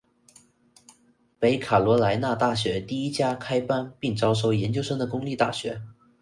北卡罗来纳大学第一家开班并招收研究生的公立大学。